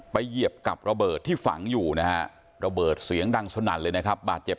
ไปเหยียบกับระเบิดที่ฝังอยู่นะฮะระเบิดเสียงดังสนานเลยบาดเจ็บสาหัสไป๒คน